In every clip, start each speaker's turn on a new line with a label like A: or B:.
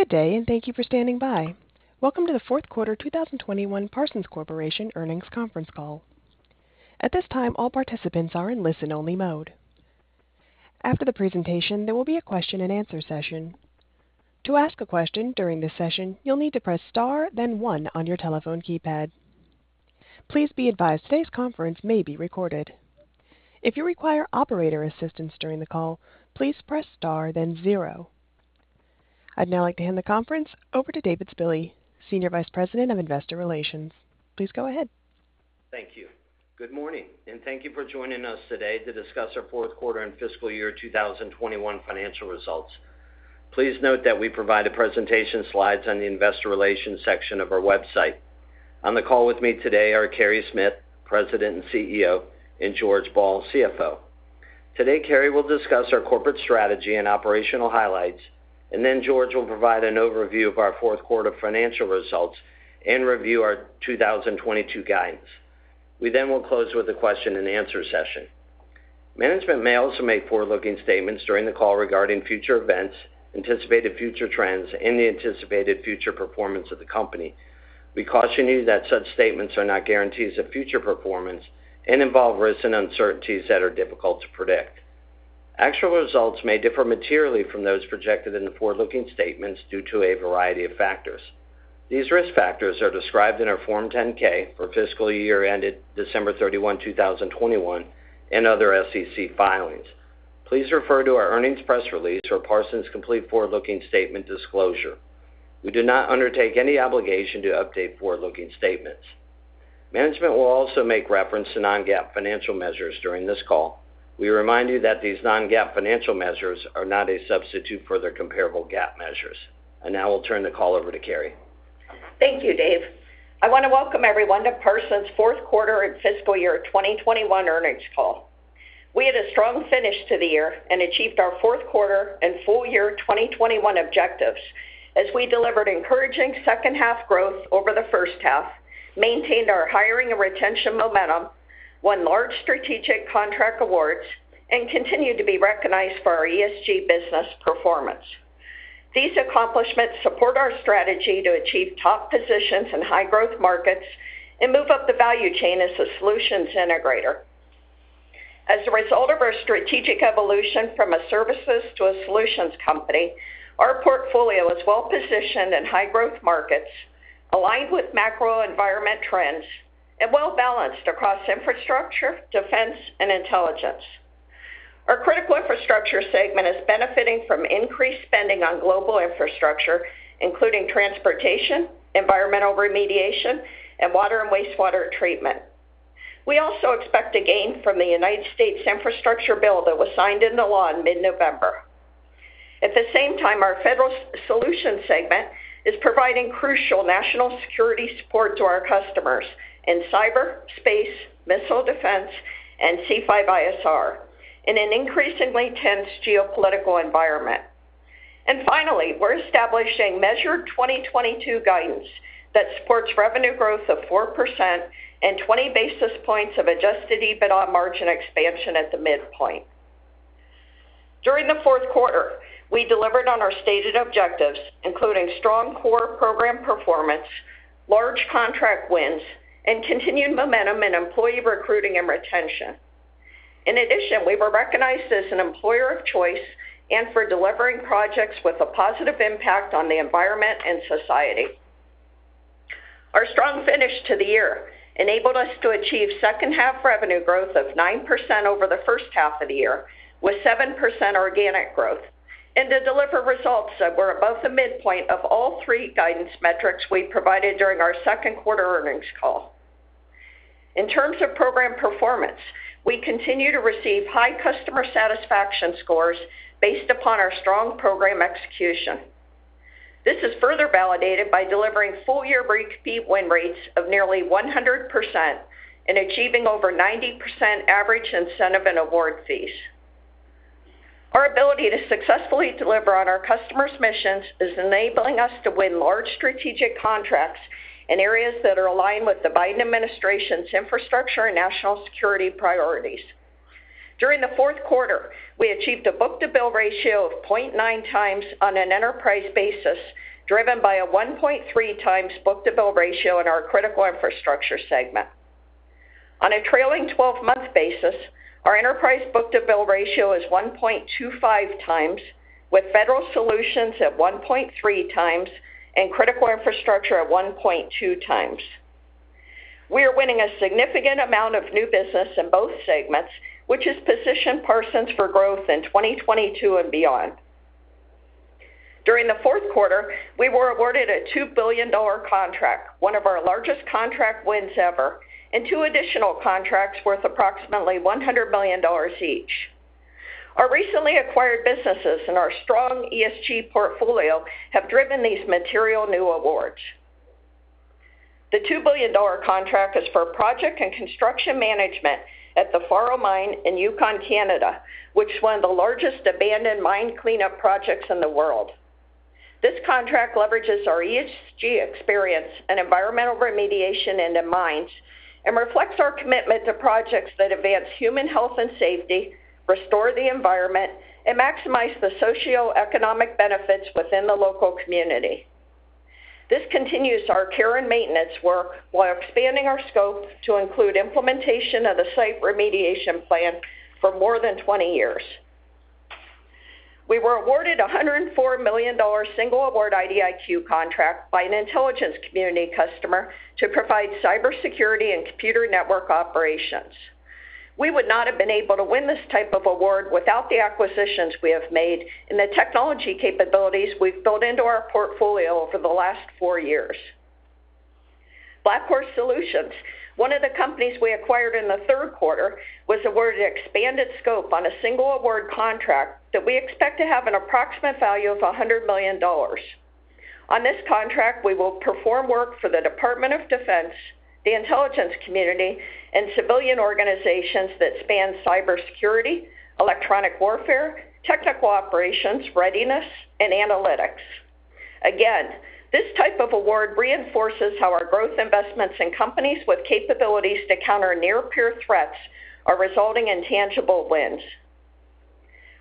A: Good day, and thank you for standing by. Welcome to the fourth quarter 2021 Parsons Corporation earnings conference call. At this time, all participants are in listen only mode. After the presentation, there will be a question-and-answer session. To ask a question during this session, you'll need to press star, then one on your telephone keypad. Please be advised today's conference may be recorded. If you require operator assistance during the call, please press star, then zero. I'd now like to hand the conference over to David Spille, Senior Vice President of Investor Relations. Please go ahead.
B: Thank you. Good morning, and thank you for joining us today to discuss our fourth quarter and fiscal year 2021 financial results. Please note that we provide the presentation slides on the investor relations section of our website. On the call with me today are Carey Smith, President and CEO, and George Ball, CFO. Today, Carey will discuss our corporate strategy and operational highlights, and then George will provide an overview of our fourth quarter financial results and review our 2022 guidance. We then will close with a question-and-answer session. Management may also make forward-looking statements during the call regarding future events, anticipated future trends, and the anticipated future performance of the company. We caution you that such statements are not guarantees of future performance and involve risks and uncertainties that are difficult to predict. Actual results may differ materially from those projected in the forward-looking statements due to a variety of factors. These risk factors are described in our Form 10-K for fiscal year ended December 31, 2021 and other SEC filings. Please refer to our earnings press release for Parsons complete forward-looking statement disclosure. We do not undertake any obligation to update forward-looking statements. Management will also make reference to non-GAAP financial measures during this call. We remind you that these non-GAAP financial measures are not a substitute for their comparable GAAP measures. Now I'll turn the call over to Carey.
C: Thank you Dave. I want to welcome everyone to Parsons' fourth quarter and fiscal year 2021 earnings call. We had a strong finish to the year and achieved our fourth quarter and full year 2021 objectives as we delivered encouraging second half growth over the first half, maintained our hiring and retention momentum, won large strategic contract awards, and continued to be recognized for our ESG business performance. These accomplishments support our strategy to achieve top positions in high growth markets and move up the value chain as a solutions integrator. As a result of our strategic evolution from a services to a solutions company, our portfolio is well-positioned in high growth markets, aligned with macro environment trends, and well-balanced across infrastructure, defense, and intelligence. Our Critical Infrastructure segment is benefiting from increased spending on global infrastructure, including transportation, environmental remediation, and water and wastewater treatment. We also expect a gain from the United States infrastructure bill that was signed into law in mid-November. At the same time, our Federal Solutions segment is providing crucial national security support to our customers in cyber, space, missile defense, and C5ISR in an increasingly tense geopolitical environment. Finally, we're establishing measured 2022 guidance that supports revenue growth of 4% and 20 basis points of adjusted EBIT on margin expansion at the midpoint. During the fourth quarter, we delivered on our stated objectives, including strong core program performance, large contract wins, and continued momentum in employee recruiting and retention. In addition, we were recognized as an employer of choice and for delivering projects with a positive impact on the environment and society. Our strong finish to the year enabled us to achieve second half revenue growth of 9% over the first half of the year, with 7% organic growth, and to deliver results that were above the midpoint of all three guidance metrics we provided during our second quarter earnings call. In terms of program performance, we continue to receive high customer satisfaction scores based upon our strong program execution. This is further validated by delivering full year REAs fee win rates of nearly 100% and achieving over 90% average incentive and award fees. Our ability to successfully deliver on our customers' missions is enabling us to win large strategic contracts in areas that are aligned with the Biden administration's infrastructure and national security priorities. During the fourth quarter, we achieved a book-to-bill ratio of 0.9x on an enterprise basis, driven by a 1.3x book-to-bill ratio in our Critical Infrastructure segment. On a trailing 12 month basis, our enterprise book-to-bill ratio is 1.25x, with Federal Solutions at 1.3x and Critical Infrastructure at 1.2x. We are winning a significant amount of new business in both segments, which has positioned Parsons for growth in 2022 and beyond. During the fourth quarter, we were awarded a $2 billion contract, one of our largest contract wins ever, and two additional contracts worth approximately $100 million each. Our recently acquired businesses and our strong ESG portfolio have driven these material new awards. The $2 billion contract is for project and construction management at the Faro Mine in Yukon, Canada, which is one of the largest abandoned mine cleanup projects in the world. This contract leverages our ESG experience in environmental remediation and in mines, and reflects our commitment to projects that advance human health and safety, restore the environment, and maximize the socioeconomic benefits within the local community. This continues our care and maintenance work while expanding our scope to include implementation of the site remediation plan for more than 20 years. We were awarded a $104 million single award IDIQ contract by an intelligence community customer to provide cybersecurity and computer network operations. We would not have been able to win this type of award without the acquisitions we have made and the technology capabilities we've built into our portfolio over the last four years. BlackHorse Solutions, one of the companies we acquired in the third quarter, was awarded expanded scope on a single award contract that we expect to have an approximate value of $100 million. On this contract, we will perform work for the Department of Defense, the intelligence community, and civilian organizations that span cybersecurity, electronic warfare, technical operations, readiness, and analytics. Again, this type of award reinforces how our growth investments in companies with capabilities to counter near peer threats are resulting in tangible wins.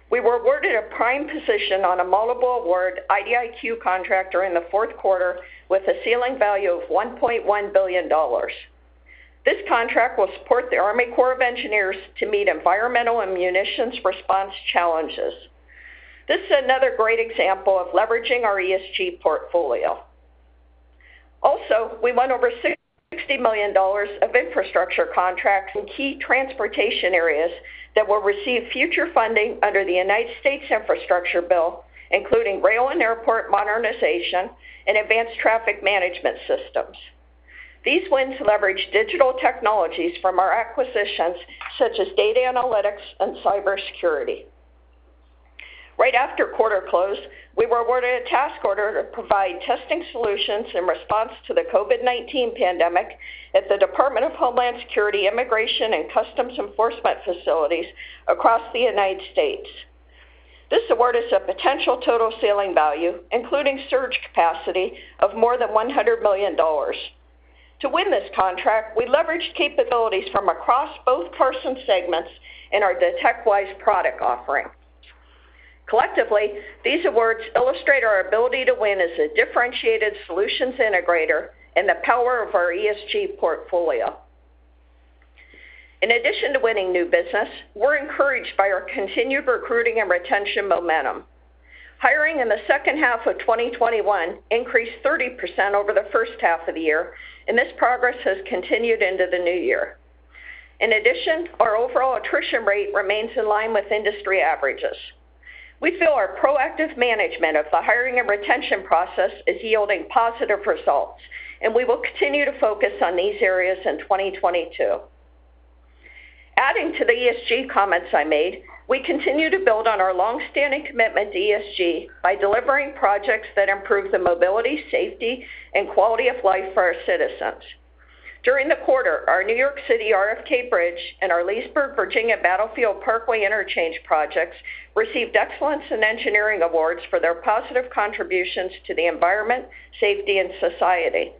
C: We were awarded a prime position on a multiple award IDIQ contract during the fourth quarter with a ceiling value of $1.1 billion. This contract will support the Army Corps of Engineers to meet environmental and munitions response challenges. This is another great example of leveraging our ESG portfolio. Also, we won over $60 million of infrastructure contracts in key transportation areas that will receive future funding under the United States infrastructure bill, including rail and airport modernization and advanced traffic management systems. These wins leverage digital technologies from our acquisitions, such as data analytics and cybersecurity. Right after quarter close, we were awarded a task order to provide testing solutions in response to the COVID-19 pandemic at the Department of Homeland Security U.S. Immigration and Customs Enforcement facilities across the United States. This award is a potential total ceiling value, including surge capacity of more than $100 million. To win this contract, we leveraged capabilities from across both of our segments in our DetectWise product offering. Collectively, these awards illustrate our ability to win as a differentiated solutions integrator and the power of our ESG portfolio. In addition to winning new business, we're encouraged by our continued recruiting and retention momentum. Hiring in the second half of 2021 increased 30% over the first half of the year, and this progress has continued into the new year. In addition, our overall attrition rate remains in line with industry averages. We feel our proactive management of the hiring and retention process is yielding positive results, and we will continue to focus on these areas in 2022. Adding to the ESG comments I made, we continue to build on our long-standing commitment to ESG by delivering projects that improve the mobility, safety, and quality of life for our citizens. During the quarter, our New York City RFK Bridge and our Leesburg, Virginia, Battlefield Parkway Interchange projects received excellence in engineering awards for their positive contributions to the environment, safety, and society.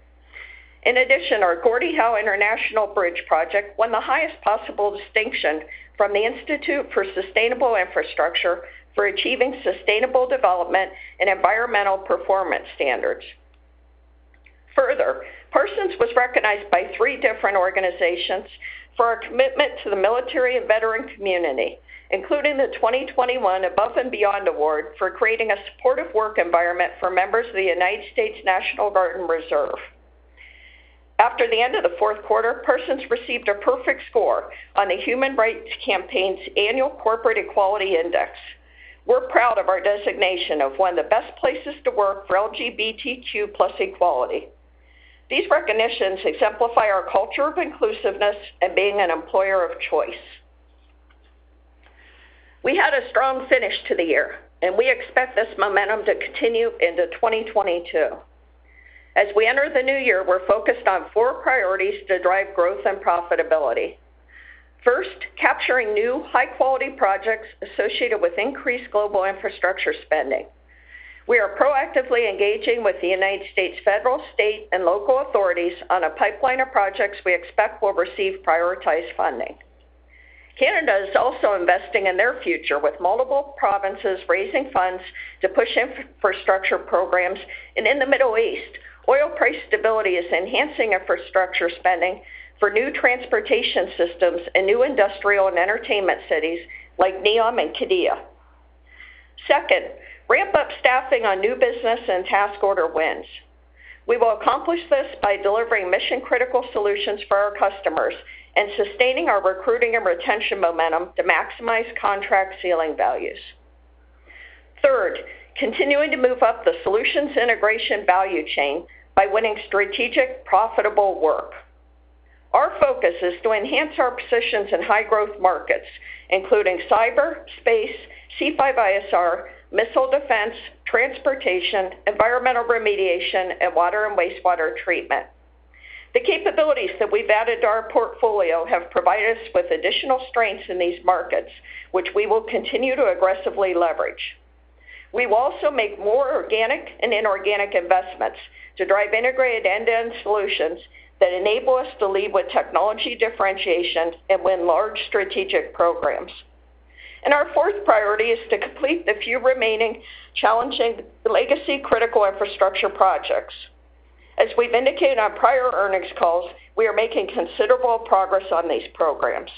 C: In addition, our Gordie Howe International Bridge project won the highest possible distinction from the Institute for Sustainable Infrastructure for achieving sustainable development and environmental performance standards. Further, Parsons was recognized by three different organizations for our commitment to the military and veteran community, including the 2021 Above and Beyond Award for creating a supportive work environment for members of the United States National Guard and Reserve. After the end of the fourth quarter, Parsons received a perfect score on the Human Rights Campaign's annual Corporate Equality Index. We're proud of our designation of one of the best places to work for LGBTQ plus equality. These recognitions exemplify our culture of inclusiveness and being an employer of choice. We had a strong finish to the year, and we expect this momentum to continue into 2022. As we enter the new year, we're focused on four priorities to drive growth and profitability. First, capturing new high-quality projects associated with increased global infrastructure spending. We are proactively engaging with the United States federal, state, and local authorities on a pipeline of projects we expect will receive prioritized funding. Canada is also investing in their future with multiple provinces raising funds to push infrastructure programs. In the Middle East, oil price stability is enhancing infrastructure spending for new transportation systems and new industrial and entertainment cities like NEOM and Qiddiya. Second, ramp up staffing on new business and task order wins. We will accomplish this by delivering mission-critical solutions for our customers and sustaining our recruiting and retention momentum to maximize contract ceiling values. Third, continuing to move up the solutions integration value chain by winning strategic, profitable work. Our focus is to enhance our positions in high-growth markets, including cyber, space, C5ISR, missile defense, transportation, environmental remediation, and water and wastewater treatment. The capabilities that we've added to our portfolio have provided us with additional strengths in these markets, which we will continue to aggressively leverage. We will also make more organic and inorganic investments to drive integrated end-to-end solutions that enable us to lead with technology differentiation and win large strategic programs. Our fourth priority is to complete the few remaining challenging legacy Critical Infrastructure projects. As we've indicated on prior earnings calls, we are making considerable progress on these programs.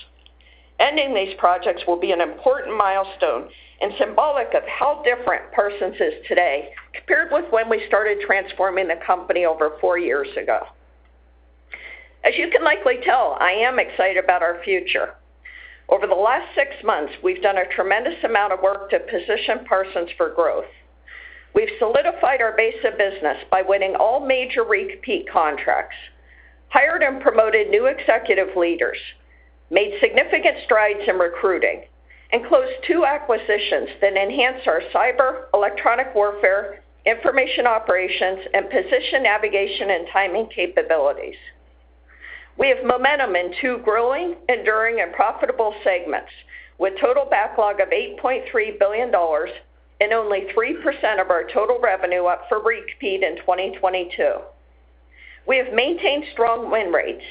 C: Ending these projects will be an important milestone and symbolic of how different Parsons is today compared with when we started transforming the company over four years ago. As you can likely tell, I am excited about our future. Over the last six months, we've done a tremendous amount of work to position Parsons for growth. We've solidified our base of business by winning all major repeat contracts, hired and promoted new executive leaders, made significant strides in recruiting, and closed two acquisitions that enhance our cyber, electronic warfare, information operations, and position navigation and timing capabilities. We have momentum in two growing, enduring, and profitable segments, with total backlog of $8.3 billion and only 3% of our total revenue up for repeat in 2022. We have maintained strong win rates,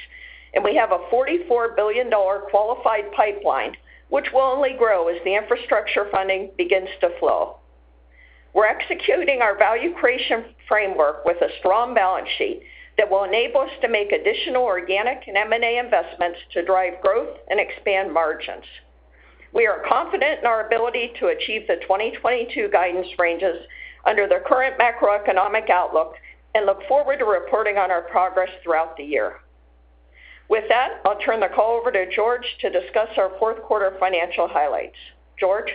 C: and we have a $44 billion qualified pipeline, which will only grow as the infrastructure funding begins to flow. We're executing our value creation framework with a strong balance sheet that will enable us to make additional organic and M&A investments to drive growth and expand margins. We are confident in our ability to achieve the 2022 guidance ranges under the current macroeconomic outlook and look forward to reporting on our progress throughout the year. With that, I'll turn the call over to George to discuss our fourth quarter financial highlights. George?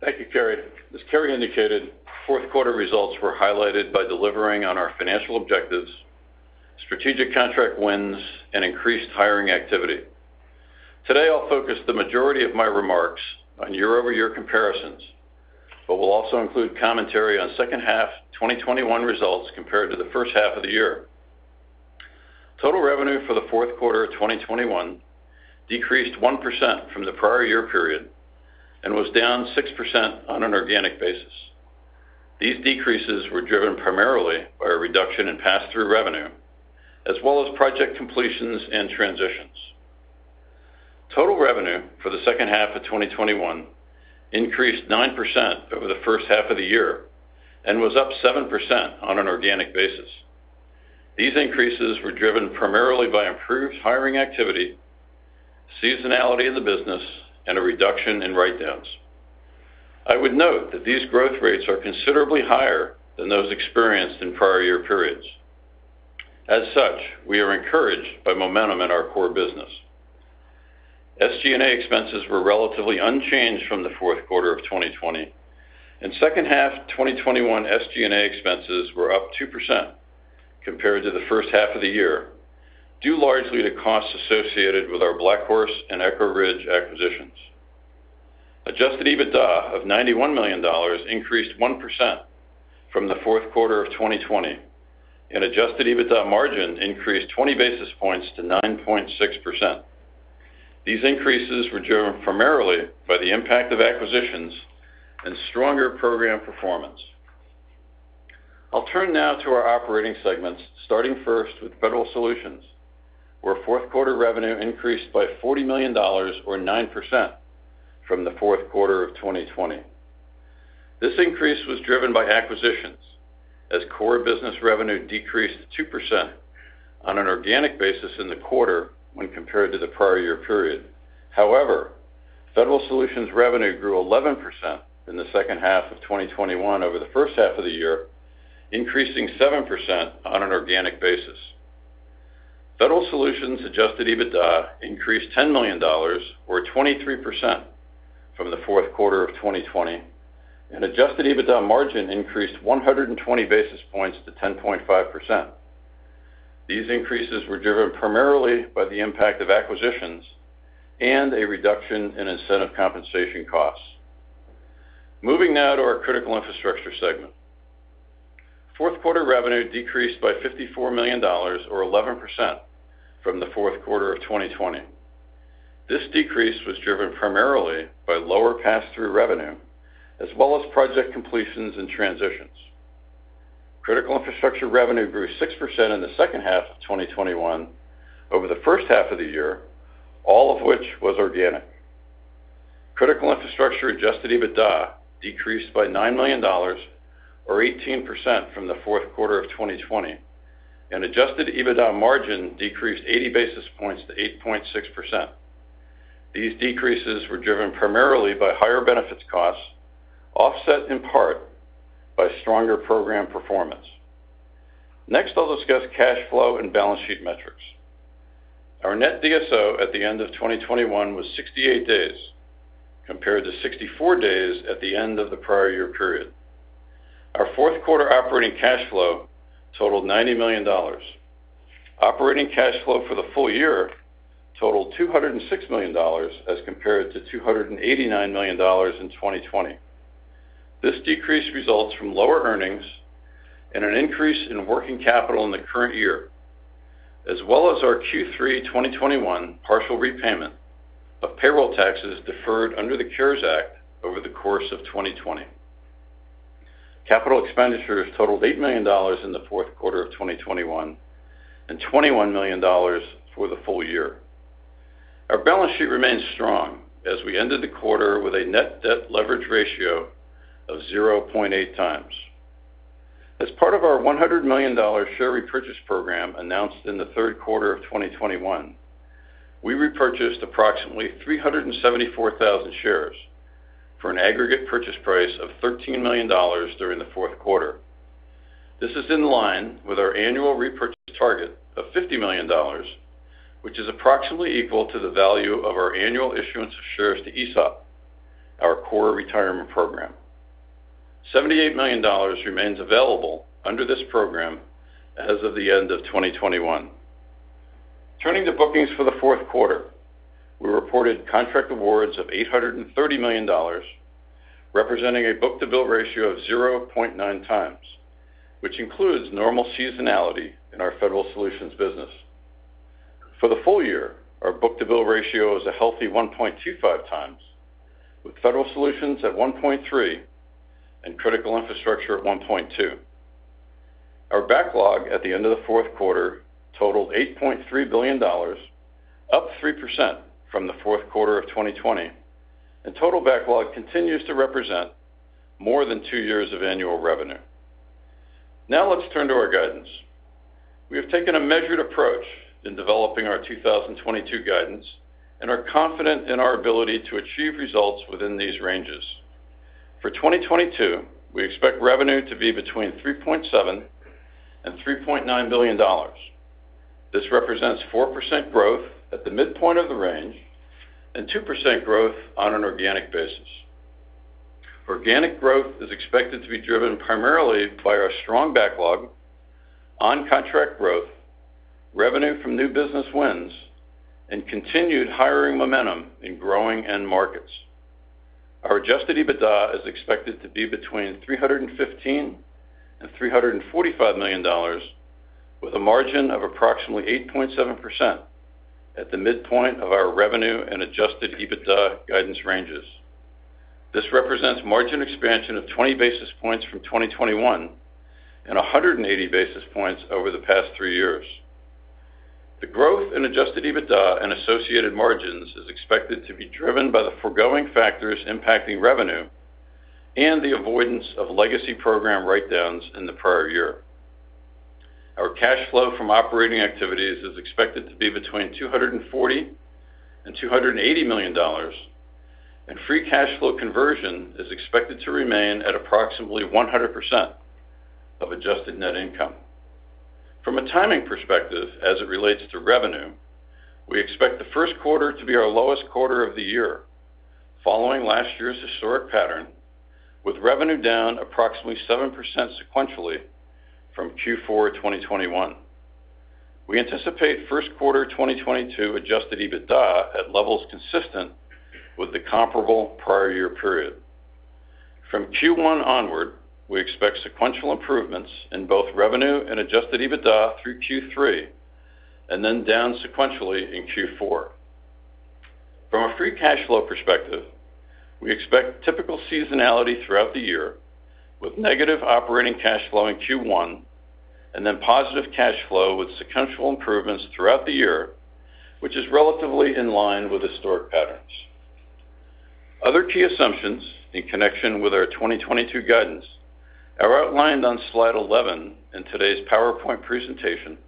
D: Thank you Carey. As Carey indicated, fourth quarter results were highlighted by delivering on our financial objectives, strategic contract wins, and increased hiring activity. Today, I'll focus the majority of my remarks on year-over-year comparisons, but we'll also include commentary on second half 2021 results compared to the first half of the year. Total revenue for the fourth quarter of 2021 decreased 1% from the prior year period and was down 6% on an organic basis. These decreases were driven primarily by a reduction in pass-through revenue as well as project completions and transitions. Total revenue for the second half of 2021 increased 9% over the first half of the year and was up 7% on an organic basis. These increases were driven primarily by improved hiring activity, seasonality of the business, and a reduction in write-downs. I would note that these growth rates are considerably higher than those experienced in prior year periods. As such, we are encouraged by momentum in our core business. SG&A expenses were relatively unchanged from the fourth quarter of 2020, and second half 2021 SG&A expenses were up 2% compared to the first half of the year, due largely to costs associated with our BlackHorse and Echo Ridge acquisitions. Adjusted EBITDA of $91 million increased 1% from the fourth quarter of 2020, and adjusted EBITDA margin increased 20 basis points to 9.6%. These increases were driven primarily by the impact of acquisitions and stronger program performance. I'll turn now to our operating segments, starting first with Federal Solutions, where fourth quarter revenue increased by $40 million or 9% from the fourth quarter of 2020. This increase was driven by acquisitions as core business revenue decreased 2% on an organic basis in the quarter when compared to the prior year period. However, Federal Solutions revenue grew 11% in the second half of 2021 over the first half of the year, increasing 7% on an organic basis. Federal Solutions adjusted EBITDA increased $10 million or 23% from the fourth quarter of 2020, and adjusted EBITDA margin increased 120 basis points to 10.5%. These increases were driven primarily by the impact of acquisitions and a reduction in incentive compensation costs. Moving now to our Critical Infrastructure segment. Fourth quarter revenue decreased by $54 million or 11% from the fourth quarter of 2020. This decrease was driven primarily by lower pass-through revenue as well as project completions and transitions. Critical Infrastructure revenue grew 6% in the second half of 2021 over the first half of the year, all of which was organic. Critical Infrastructure adjusted EBITDA decreased by $9 million or 18% from the fourth quarter of 2020, and adjusted EBITDA margin decreased 80 basis points to 8.6%. These decreases were driven primarily by higher benefits costs, offset in part by stronger program performance. Next, I'll discuss cash flow and balance sheet metrics. Our net DSO at the end of 2021 was 68 days compared to 64 days at the end of the prior year period. Our fourth quarter operating cash flow totaled $90 million. Operating cash flow for the full year totaled $206 million as compared to $289 million in 2020. This decrease results from lower earnings and an increase in working capital in the current year, as well as our Q3 2021 partial repayment of payroll taxes deferred under the CARES Act over the course of 2020. Capital expenditures totaled $8 million in the fourth quarter of 2021 and $21 million for the full year. Our balance sheet remains strong as we ended the quarter with a net debt leverage ratio of 0.8x. As part of our $100 million share repurchase program announced in the third quarter of 2021, we repurchased approximately 374,000 shares for an aggregate purchase price of $13 million during the fourth quarter. This is in line with our annual repurchase target of $50 million, which is approximately equal to the value of our annual issuance of shares to ESOP, our core retirement program. $78 million remains available under this program as of the end of 2021. Turning to bookings for the fourth quarter, we reported contract awards of $830 million, representing a book-to-bill ratio of 0.9x, which includes normal seasonality in our Federal Solutions business. For the full year, our book-to-bill ratio is a healthy 1.25x, with Federal Solutions at 1.3x and Critical Infrastructure at 1.2x. Our backlog at the end of the fourth quarter totaled $8.3 billion, up 3% from the fourth quarter of 2020. Total backlog continues to represent more than two years of annual revenue. Now let's turn to our guidance. We have taken a measured approach in developing our 2022 guidance and are confident in our ability to achieve results within these ranges. For 2022, we expect revenue to be between $3.7 billion and $3.9 billion. This represents 4% growth at the midpoint of the range and 2% growth on an organic basis. Organic growth is expected to be driven primarily by our strong backlog on contract growth, revenue from new business wins, and continued hiring momentum in growing end markets. Our adjusted EBITDA is expected to be between $315 million and $345 million, with a margin of approximately 8.7% at the midpoint of our revenue and adjusted EBITDA guidance ranges. This represents margin expansion of 20 basis points from 2021 and 180 basis points over the past three years. The growth in adjusted EBITDA and associated margins is expected to be driven by the foregoing factors impacting revenue and the avoidance of legacy program write-downs in the prior year. Our cash flow from operating activities is expected to be between $240 million and $280 million, and free cash flow conversion is expected to remain at approximately 100% of adjusted net income. From a timing perspective, as it relates to revenue, we expect the first quarter to be our lowest quarter of the year, following last year's historic pattern, with revenue down approximately 7% sequentially from Q4 2021. We anticipate first quarter 2022 adjusted EBITDA at levels consistent with the comparable prior year period. From Q1 onward, we expect sequential improvements in both revenue and adjusted EBITDA through Q3, and then down sequentially in Q4. From a free cash flow perspective, we expect typical seasonality throughout the year, with negative operating cash flow in Q1, and then positive cash flow with sequential improvements throughout the year, which is relatively in line with historic patterns. Other key assumptions in connection with our 2022 guidance are outlined on slide 11 in today's PowerPoint presentation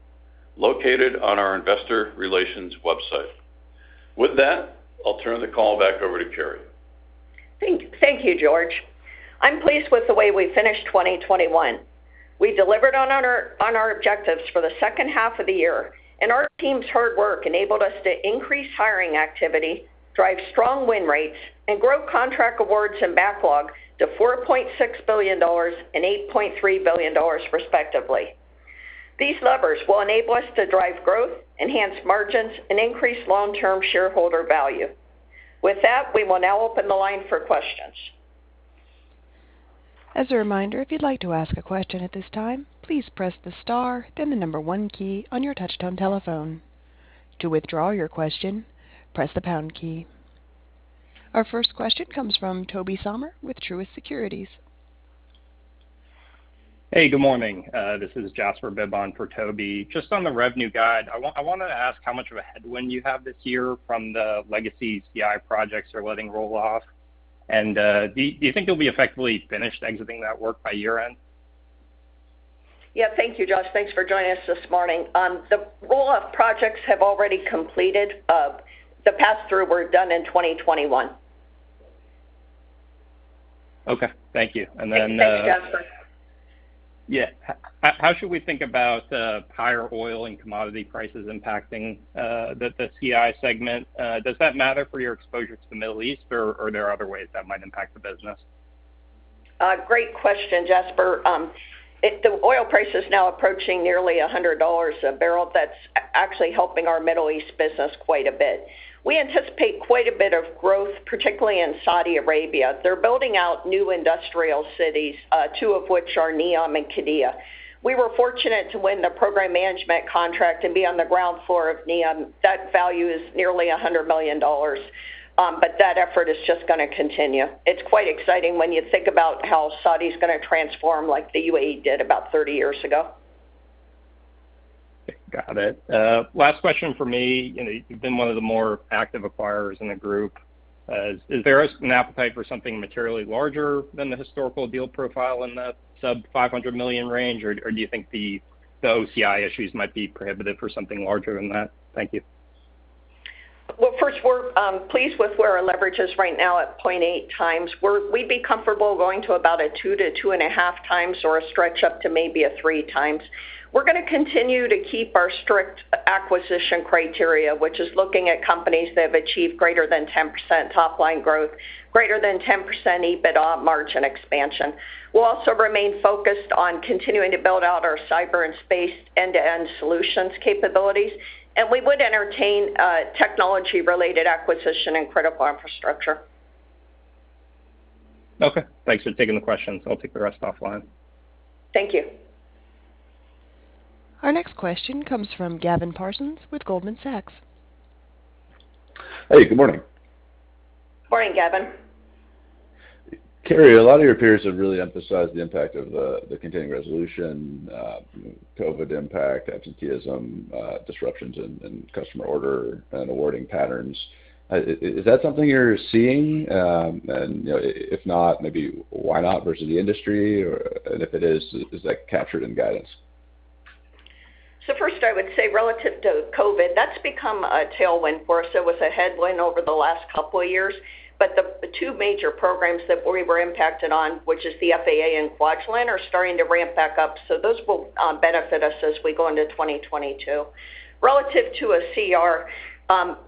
D: located on our investor relations website. With that, I'll turn the call back over to Carey.
C: Thank you George. I'm pleased with the way we finished 2021. We delivered on our objectives for the second half of the year, and our team's hard work enabled us to increase hiring activity, drive strong win rates, and grow contract awards and backlog to $4.6 billion and $8.3 billion, respectively. These levers will enable us to drive growth, enhance margins, and increase long-term shareholder value. With that, we will now open the line for questions.
A: As a reminder, if you'd like to ask a question at this time, please press the star, then the number one key on your touchtone telephone. To withdraw your question, press the pound key. Our first question comes from Tobey Sommer with Truist Securities.
E: Hey, good morning. This is Jasper Bibb for Tobey. Just on the revenue guide, I wanna ask how much of a headwind you have this year from the legacy CI projects you're letting roll off. Do you think you'll be effectively finished exiting that work by year-end?
C: Yeah. Thank you Josh. Thanks for joining us this morning. The roll-off projects have already completed. The pass-through were done in 2021.
E: Okay. Thank you.
C: Thanks. Thanks, Jasper.
E: Yeah. How should we think about higher oil and commodity prices impacting the CI segment? Does that matter for your exposure to the Middle East, or are there other ways that might impact the business?
C: Great question, Jasper. If the oil price is now approaching nearly $100 a barrel, that's actually helping our Middle East business quite a bit. We anticipate quite a bit of growth, particularly in Saudi Arabia. They're building out new industrial cities, two of which are NEOM and Qiddiya. We were fortunate to win the program management contract and be on the ground floor of NEOM. That value is nearly $100 million, but that effort is just gonna continue. It's quite exciting when you think about how Saudi's gonna transform like the UAE did about 30 years ago.
E: Got it. Last question for me. You know, you've been one of the more active acquirers in the group. Is there an appetite for something materially larger than the historical deal profile in the sub $500 million range? Or do you think the OCI issues might be prohibitive for something larger than that? Thank you.
C: Well, first, we're pleased with where our leverage is right now at 0.8x. We'd be comfortable going to about a 2-2.5x or a stretch up to maybe a 3x. We're gonna continue to keep our strict acquisition criteria, which is looking at companies that have achieved greater than 10% top line growth, greater than 10% EBITDA margin expansion. We'll also remain focused on continuing to build out our cyber and space end-to-end solutions capabilities, and we would entertain technology-related acquisition and Critical Infrastructure.
E: Okay. Thanks for taking the question. I'll take the rest offline.
C: Thank you.
A: Our next question comes from Gavin Parsons with Goldman Sachs.
F: Hey, good morning.
C: Morning, Gavin.
F: Carey, a lot of your peers have really emphasized the impact of the continuing resolution, COVID impact, absenteeism, disruptions in customer order and awarding patterns. Is that something you're seeing? And if not, maybe why not versus the industry? If it is that captured in guidance?
C: First, I would say relative to COVID, that's become a tailwind for us. It was a headwind over the last couple of years. The two major programs that we were impacted on, which is the FAA and Kwajalein, are starting to ramp back up, so those will benefit us as we go into 2022. Relative to a CR,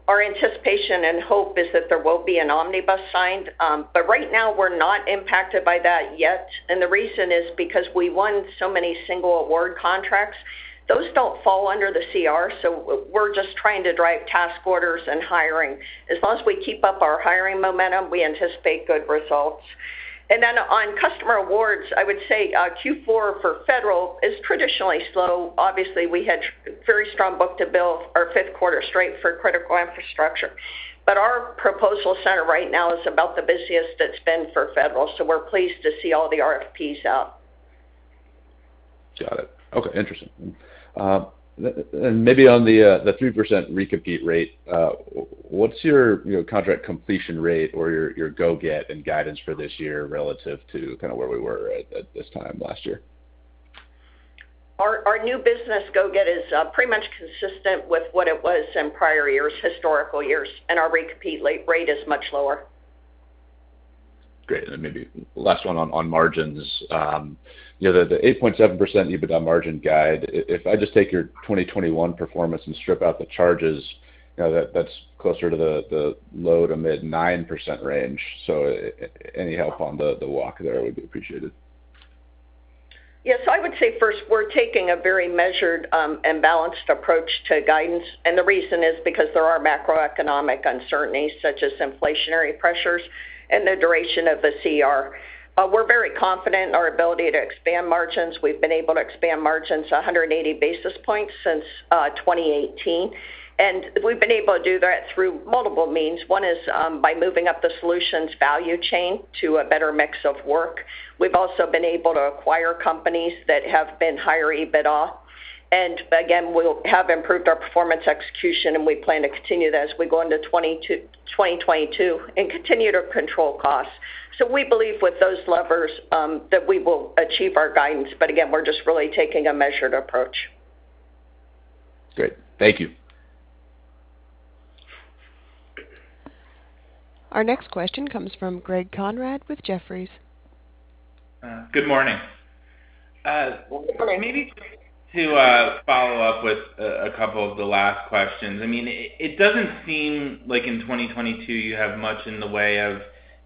C: our anticipation and hope is that there will be an omnibus signed. But right now, we're not impacted by that yet, and the reason is because we won so many single award contracts. Those don't fall under the CR, so we're just trying to drive task orders and hiring. As long as we keep up our hiring momentum, we anticipate good results. Then on customer awards, I would say, Q4 for federal is traditionally slow. Obviously, we had very strong book-to-bill, our fifth quarter straight for Critical Infrastructure. Our proposal center right now is about the busiest it's been for Federal, so we're pleased to see all the RFPs out.
F: Got it. Okay, interesting. Maybe on the 3% recompete rate, what's your, you know, contract completion rate or your go-forward guidance for this year relative to kind of where we were at this time last year?
C: Our new business book-to-bill is pretty much consistent with what it was in prior years, historical years, and our recompete rate is much lower.
F: Great. Then maybe last one on margins. You know, the 8.7% EBITDA margin guide, if I just take your 2021 performance and strip out the charges, you know, that's closer to the low-to-mid-9% range. Any help on the walk there would be appreciated.
C: Yes. I would say first, we're taking a very measured and balanced approach to guidance, and the reason is because there are macroeconomic uncertainties such as inflationary pressures and the duration of the CR. We're very confident in our ability to expand margins. We've been able to expand margins 180 basis points since 2018, and we've been able to do that through multiple means. One is by moving up the solutions value chain to a better mix of work. We've also been able to acquire companies that have been higher EBITDA. And again, we'll have improved our performance execution, and we plan to continue that as we go into 2022 and continue to control costs. We believe with those levers that we will achieve our guidance. Again, we're just really taking a measured approach.
F: Great. Thank you.
A: Our next question comes from Greg Konrad with Jefferies.
G: Good morning. Maybe to follow up with a couple of the last questions. I mean, it doesn't seem like in 2022 you have much in the way of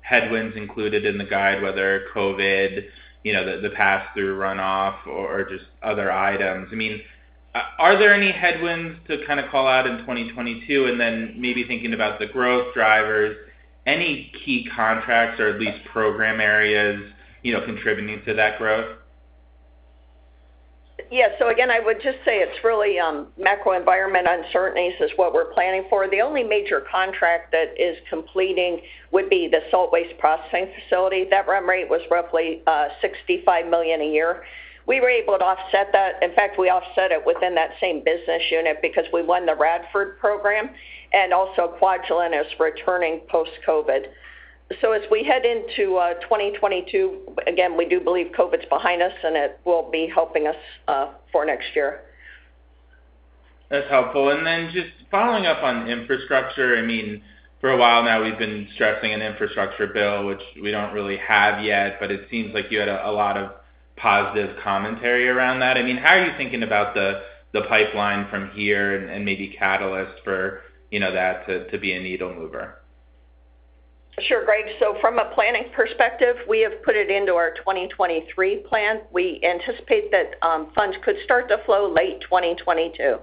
G: headwinds included in the guide, whether COVID, you know, the pass-through runoff or just other items. I mean, are there any headwinds to kind of call out in 2022? Then maybe thinking about the growth drivers, any key contracts or at least program areas, you know, contributing to that growth?
C: Yeah. Again, I would just say it's really macro environment uncertainties is what we're planning for. The only major contract that is completing would be the solid waste processing facility. That run rate was roughly $65 million a year. We were able to offset that. In fact, we offset it within that same business unit because we won the Radford program, and also Kwajalein is returning post-COVID. As we head into 2022, again, we do believe COVID's behind us, and it will be helping us for next year.
G: That's helpful. Just following up on infrastructure, I mean, for a while now, we've been stressing an infrastructure bill, which we don't really have yet, but it seems like you had a lot of positive commentary around that. I mean, how are you thinking about the pipeline from here and maybe catalyst for, you know, that to be a needle mover?
C: Sure Greg. From a planning perspective, we have put it into our 2023 plan. We anticipate that funds could start to flow late 2022.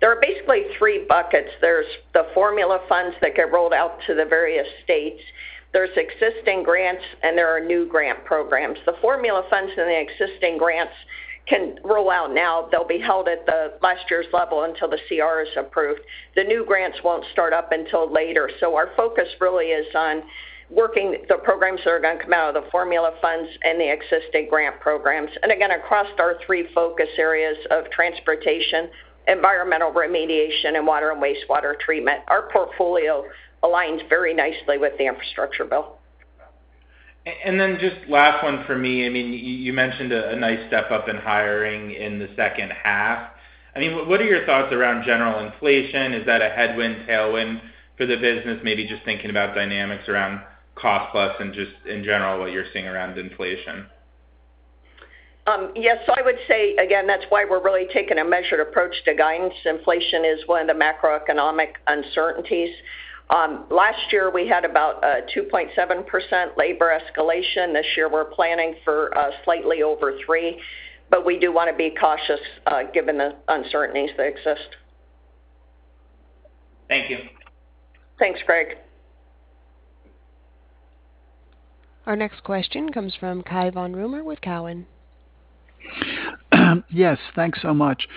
C: There are basically three buckets. There's the formula funds that get rolled out to the various states. There's existing grants and there are new grant programs. The formula funds and the existing grants can roll out now. They'll be held at the last year's level until the CR is approved. The new grants won't start up until later. Our focus really is on working the programs that are gonna come out of the formula funds and the existing grant programs. Again, across our three focus areas of transportation, environmental remediation, and water and wastewater treatment, our portfolio aligns very nicely with the infrastructure bill.
G: Just last one for me. I mean, you mentioned a nice step up in hiring in the second half. I mean, what are your thoughts around general inflation? Is that a headwind, tailwind for the business? Maybe just thinking about dynamics around cost plus and just in general, what you're seeing around inflation.
C: Yes. I would say, again, that's why we're really taking a measured approach to guidance. Inflation is one of the macroeconomic uncertainties. Last year, we had about 2.7% labor escalation. This year, we're planning for slightly over 3%, but we do wanna be cautious given the uncertainties that exist.
G: Thank you.
C: Thanks, Greg.
A: Our next question comes from Cai Von Rumohr with Cowen.
H: Yes, thanks so much.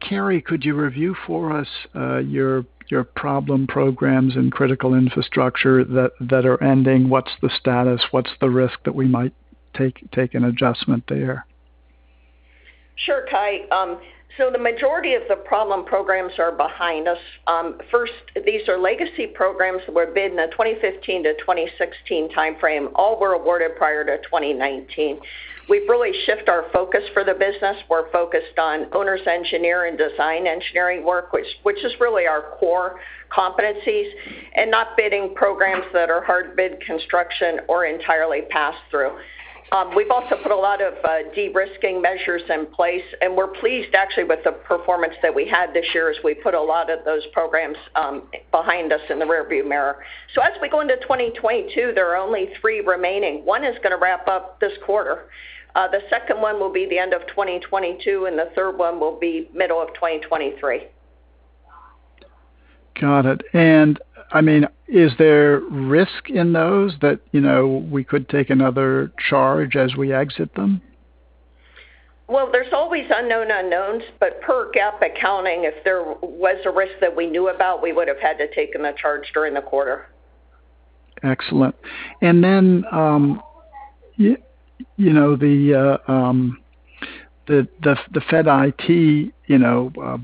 H: Carey, could you review for us your problem programs in Critical Infrastructure that are ending? What's the status? What's the risk that we might take an adjustment there?
C: Sure Cai. The majority of the problem programs are behind us. First, these are legacy programs that were bid in the 2015-2016 timeframe. All were awarded prior to 2019. We've really shift our focus for the business. We're focused on owner's engineer and design engineering work, which is really our core competencies, and not bidding programs that are hard bid construction or entirely pass through. We've also put a lot of de-risking measures in place, and we're pleased actually with the performance that we had this year as we put a lot of those programs behind us in the rear view mirror. As we go into 2022, there are only three remaining. One is gonna wrap up this quarter. The second one will be the end of 2022, and the third one will be middle of 2023.
H: Got it. I mean, is there risk in those that, you know, we could take another charge as we exit them?
C: Well, there's always unknown unknowns, but per GAAP accounting, if there was a risk that we knew about, we would have had to take a charge during the quarter.
H: Excellent. Then you know, the Federal Solutions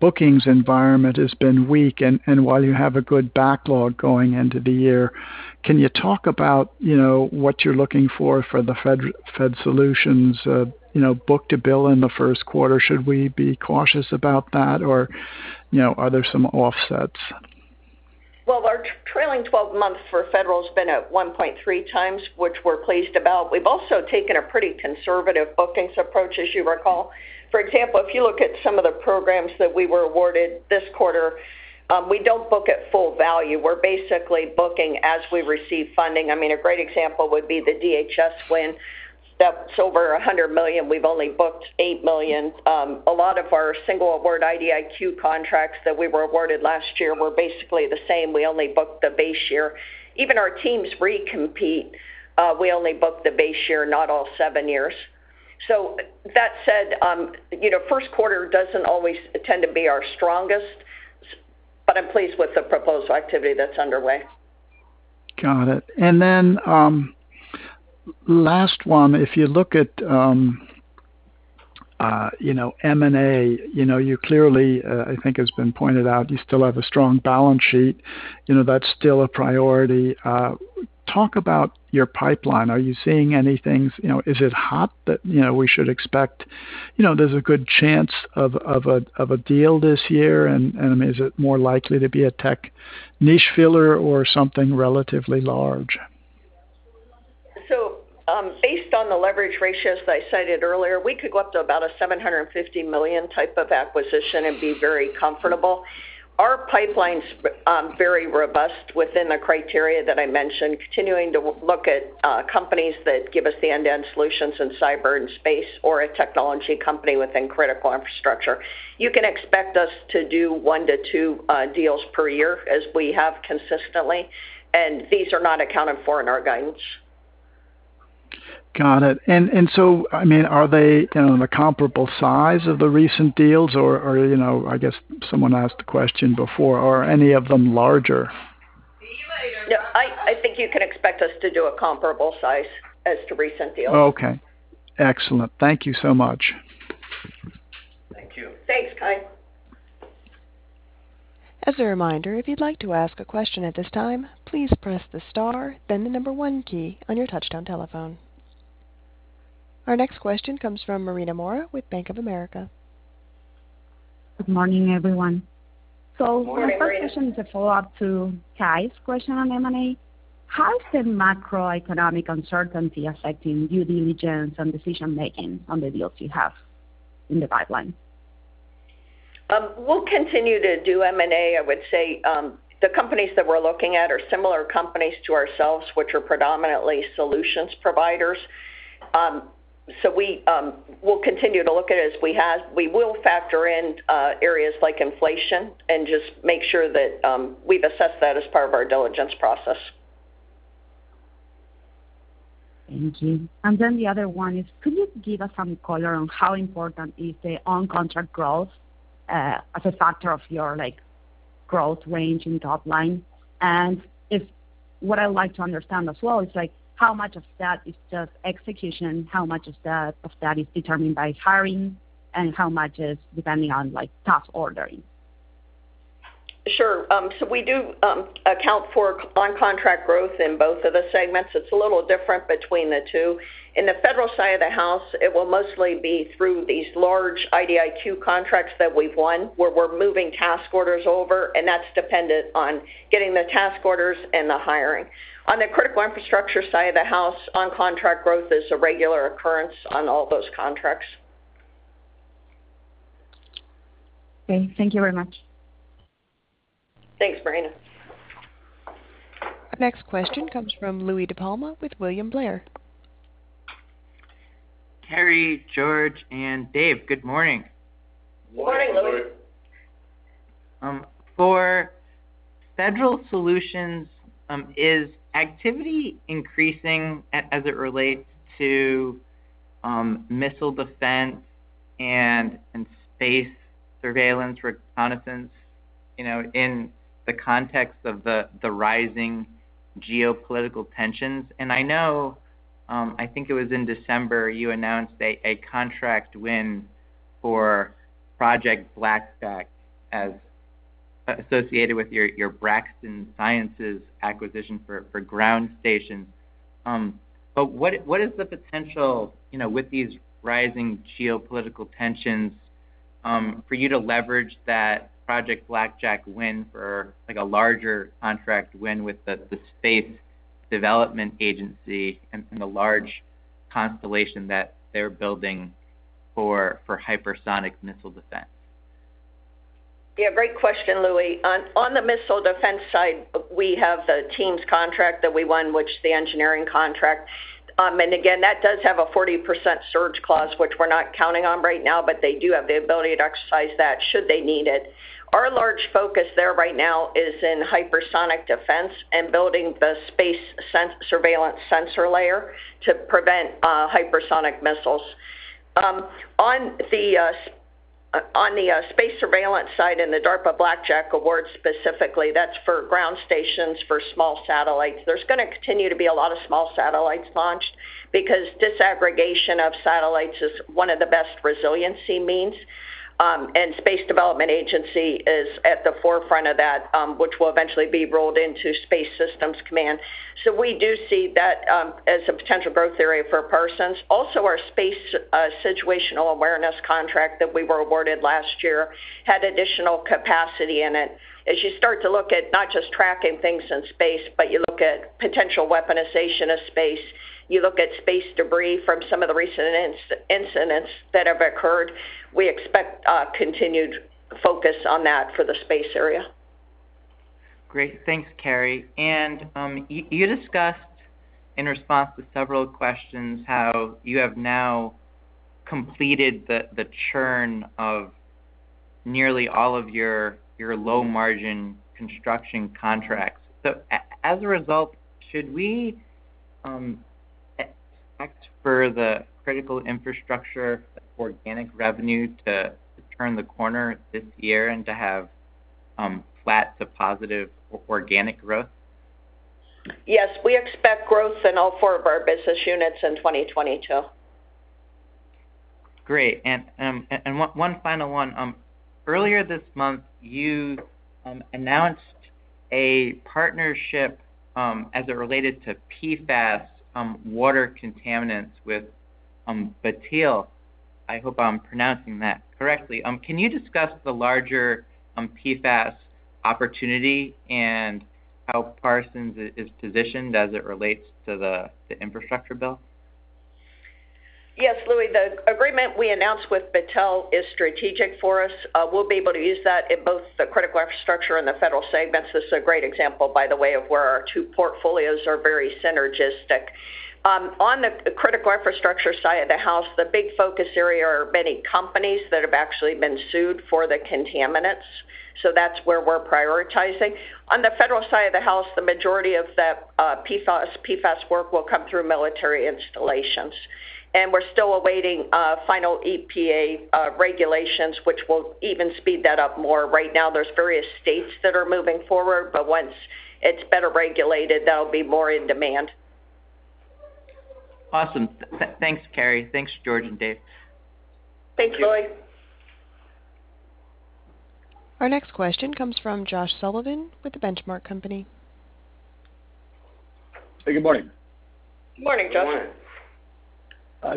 H: bookings environment has been weak. While you have a good backlog going into the year, can you talk about you know, what you're looking for for the Federal Solutions book-to-bill in the first quarter? Should we be cautious about that? You know, are there some offsets?
C: Well, our trailing 12 months for federal has been at 1.3x, which we're pleased about. We've also taken a pretty conservative bookings approach, as you recall. For example, if you look at some of the programs that we were awarded this quarter, we don't book at full value. We're basically booking as we receive funding. I mean, a great example would be the DHS win. That's over $100 million. We've only booked $8 million. A lot of our single award IDIQ contracts that we were awarded last year were basically the same. We only booked the base year. Even our TEAMS recompete, we only book the base year, not all seven years. So that said, you know, first quarter doesn't always tend to be our strongest, but I'm pleased with the proposal activity that's underway.
H: Got it. Last one. If you look at, you know, M&A, you know, you clearly, I think it's been pointed out, you still have a strong balance sheet. You know, that's still a priority. Talk about your pipeline. Are you seeing anything? You know, is it hot that, you know, we should expect, you know, there's a good chance of a deal this year? I mean, is it more likely to be a tech niche filler or something relatively large?
C: Based on the leverage ratios that I cited earlier, we could go up to about a $750 million type of acquisition and be very comfortable. Our pipeline's very robust within the criteria that I mentioned, continuing to look at companies that give us the end-to-end solutions in cyber and space or a technology company within Critical Infrastructure. You can expect us to do one to two deals per year as we have consistently, and these are not accounted for in our guidance.
H: Got it. I mean, are they, you know, the comparable size of the recent deals? You know, I guess someone asked a question before, are any of them larger?
C: Yeah, I think you can expect us to do a comparable size as to recent deals.
H: Okay. Excellent. Thank you so much.
D: Thank you.
C: Thanks Cai.
A: As a reminder, if you'd like to ask a question at this time, please press the star, then the number one key on your touchtone telephone. Our next question comes from Mariana Pérez Mora with Bank of America.
I: Good morning, everyone.
C: Morning, Mariana.
I: My first question is a follow-up to Cai's question on M&A. How is the macroeconomic uncertainty affecting due diligence and decision-making on the deals you have in the pipeline?
C: We'll continue to do M&A. I would say the companies that we're looking at are similar companies to ourselves, which are predominantly solutions providers. We will continue to look at it as we have. We will factor in areas like inflation and just make sure that we've assessed that as part of our diligence process.
I: Thank you. The other one is, could you give us some color on how important is the on-contract growth as a factor of your, like, growth range in top line? What I'd like to understand as well is, like, how much of that is just execution, how much of that is determined by hiring, and how much is depending on, like, task ordering.
C: Sure. We do account for on-contract growth in both of the segments. It's a little different between the two. In the Federal side of the house, it will mostly be through these large IDIQ contracts that we've won, where we're moving task orders over, and that's dependent on getting the task orders and the hiring. On the Critical Infrastructure side of the house, on-contract growth is a regular occurrence on all those contracts.
I: Okay, thank you very much.
C: Thanks Mariana.
A: Next question comes from Louie DiPalma with William Blair.
J: Carey, George, and Dave, good morning.
C: Morning Louie.
J: For Federal Solutions, is activity increasing as it relates to missile defense and space surveillance reconnaissance, you know, in the context of the rising geopolitical tensions? I know, I think it was in December, you announced a contract win for Project Blackjack as associated with your Braxton Science acquisition for ground stations. What is the potential, you know, with these rising geopolitical tensions, for you to leverage that Project Blackjack win for, like, a larger contract win with the Space Development Agency and the large constellation that they're building for hypersonic missile defense?
C: Yeah, great question, Louie. On the missile defense side, we have the TEAMS contract that we won, which is the engineering contract. Again, that does have a 40% surge clause, which we're not counting on right now, but they do have the ability to exercise that should they need it. Our large focus there right now is in hypersonic defense and building the space surveillance sensor layer to prevent hypersonic missiles. On the space surveillance side and the DARPA Blackjack award specifically, that's for ground stations for small satellites. There's gonna continue to be a lot of small satellites launched because disaggregation of satellites is one of the best resiliency means. Space Development Agency is at the forefront of that, which will eventually be rolled into Space Systems Command. We do see that as a potential growth area for Parsons. Also, our space situational awareness contract that we were awarded last year had additional capacity in it. As you start to look at not just tracking things in space, but you look at potential weaponization of space, you look at space debris from some of the recent incidents that have occurred, we expect continued focus on that for the space area.
J: Great. Thanks, Carey. You discussed in response to several questions how you have now completed the churn of nearly all of your low-margin construction contracts. As a result, should we expect for the Critical Infrastructure organic revenue to turn the corner this year and to have flat to positive organic growth?
C: Yes, we expect growth in all four of our business units in 2022.
J: Great. One final one. Earlier this month, you announced a partnership as it related to PFAS water contaminants with Battelle. I hope I'm pronouncing that correctly. Can you discuss the larger PFAS opportunity and how Parsons is positioned as it relates to the infrastructure bill?
C: Yes, Louie. The agreement we announced with Battelle is strategic for us. We'll be able to use that in both the Critical Infrastructure and the federal segments. This is a great example, by the way, of where our two portfolios are very synergistic. On the Critical Infrastructure side of the house, the big focus area are many companies that have actually been sued for the contaminants. So that's where we're prioritizing. On the federal side of the house, the majority of the PFAS work will come through military installations. We're still awaiting final EPA regulations, which will even speed that up more. Right now, there's various states that are moving forward, but once it's better regulated, that'll be more in demand.
J: Awesome. Thanks, Carey. Thanks, George and Dave.
C: Thanks Louie.
A: Our next question comes from Josh Sullivan with The Benchmark Company.
K: Hey, good morning.
C: Good morning Josh.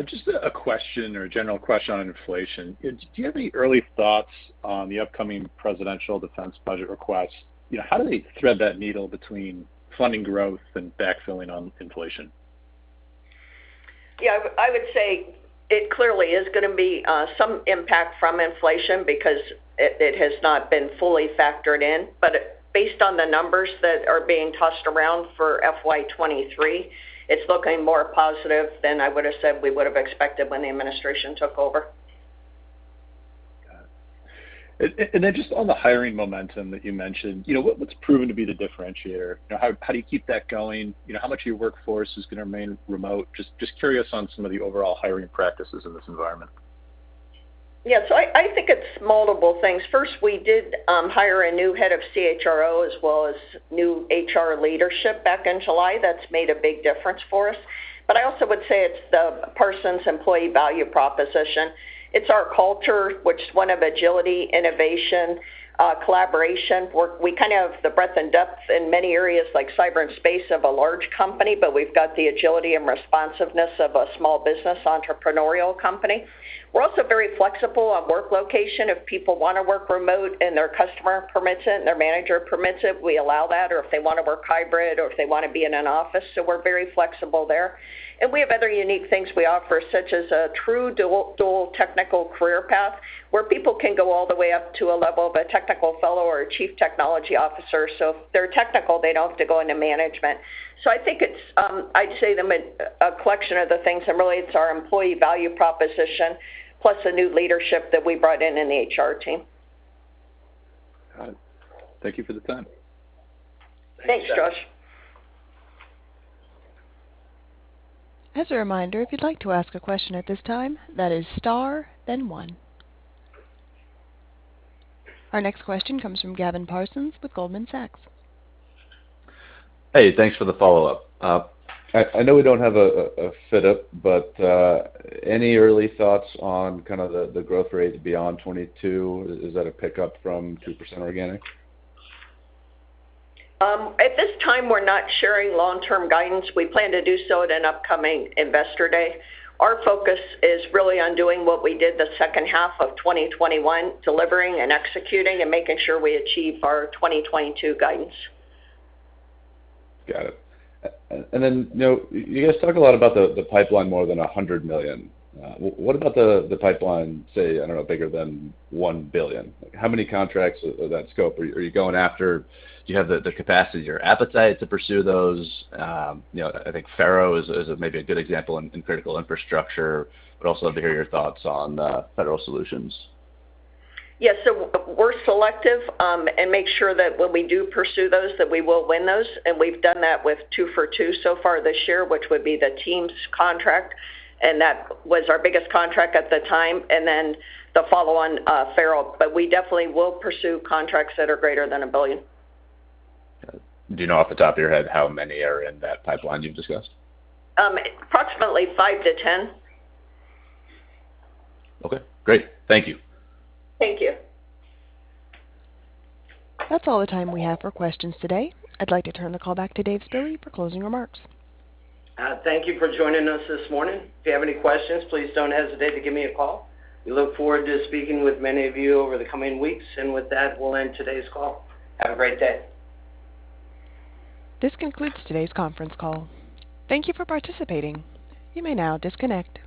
K: Just a question or a general question on inflation. Do you have any early thoughts on the upcoming presidential defense budget request? You know, how do they thread that needle between funding growth and backfilling on inflation?
C: Yeah. I would say it clearly is going to be some impact from inflation because it has not been fully factored in. Based on the numbers that are being tossed around for FY 2023, it's looking more positive than I would have said we would have expected when the administration took over.
K: Got it. Just on the hiring momentum that you mentioned, you know, what's proven to be the differentiator? You know, how do you keep that going? You know, how much of your workforce is going to remain remote? Just curious on some of the overall hiring practices in this environment.
C: Yes. I think it's multiple things. First, we did hire a new head of CHRO as well as new HR leadership back in July. That's made a big difference for us. I also would say it's the Parsons employee value proposition. It's our culture, which is one of agility, innovation, collaboration work. We kind of have the breadth and depth in many areas like cyber and space of a large company, but we've got the agility and responsiveness of a small business entrepreneurial company. We're also very flexible on work location. If people want to work remote and their customer permits it and their manager permits it, we allow that, or if they want to work hybrid or if they want to be in an office. We're very flexible there. We have other unique things we offer, such as a true dual technical career path where people can go all the way up to a level of a technical fellow or a chief technology officer. If they're technical, they don't have to go into management. I think it's, I'd say a collection of the things, and really it's our employee value proposition, plus the new leadership that we brought in in the HR team.
K: Got it. Thank you for the time.
C: Thanks Josh.
A: As a reminder, if you'd like to ask a question at this time, that is star then one. Our next question comes from Gavin Parsons with Goldman Sachs.
F: Hey, thanks for the follow-up. I know we don't have a set up, but any early thoughts on kind of the growth rate beyond 2022? Is that a pickup from 2% organic?
C: At this time, we're not sharing long-term guidance. We plan to do so at an upcoming Investor Day. Our focus is really on doing what we did the second half of 2021, delivering and executing and making sure we achieve our 2022 guidance.
F: Got it. You know, you guys talk a lot about the pipeline more than $100 million. What about the pipeline, say, I don't know, bigger than $1 billion? How many contracts of that scope are you going after? Do you have the capacity or appetite to pursue those? You know, I think Faro is maybe a good example in Critical Infrastructure. I'd also love to hear your thoughts on Federal Solutions.
C: Yes. We're selective, and make sure that when we do pursue those, that we will win those. We've done that with two for two so far this year, which would be the TEAMS contract, and that was our biggest contract at the time, and then the follow-on Faro. We definitely will pursue contracts that are greater than $1 billion.
F: Got it. Do you know off the top of your head how many are in that pipeline you've discussed?
C: Approximately five to 10.
F: Okay, great. Thank you.
C: Thank you.
A: That's all the time we have for questions today. I'd like to turn the call back to Dave Spille for closing remarks.
B: Thank you for joining us this morning. If you have any questions, please don't hesitate to give me a call. We look forward to speaking with many of you over the coming weeks. With that, we'll end today's call. Have a great day.
A: This concludes today's conference call. Thank you for participating. You may now disconnect.